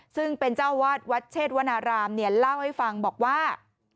ซึ่งเป็นเจ้าวาดวัดเชษวนารามเนี่ยเล่าให้ฟังบอกว่า